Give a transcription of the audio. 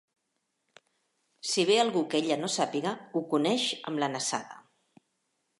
Si ve algú que ella no sàpiga, ho coneix amb la nassada.